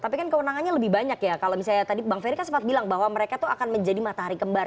tapi kan kewenangannya lebih banyak ya kalau misalnya tadi bang ferry kan sempat bilang bahwa mereka tuh akan menjadi matahari kembar